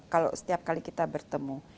kalau setiap kali kita bertemu